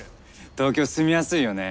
東京住みやすいよね。